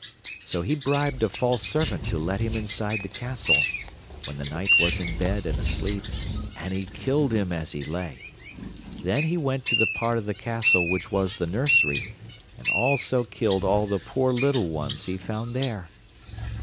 'So he bribed a false servant to let him inside the castle, when the knight was in bed and asleep, and he killed him as he lay. Then he went to the part of the castle which was the nursery, and also killed all the poor little ones he found there.